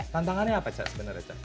tantangannya apa ca sebenarnya